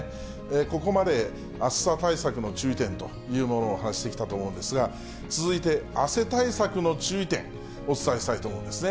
ここまで暑さ対策の注意点というものを話してきたと思うんですが、続いて、汗対策の注意点、お伝えしたいと思うんですね。